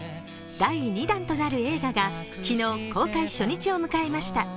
第２弾となる映画が、昨日公開初日を迎えました。